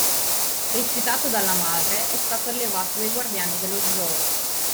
Rifiutato dalla madre, è stato allevato dai guardiani dello zoo.